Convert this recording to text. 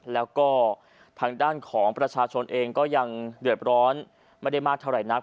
แล้วก็ทางด้านของประชาชนเองก็ยังเดือดร้อนไม่ได้มากเท่าไหร่นัก